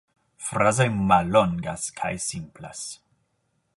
Frazoj mallongas kaj simplas.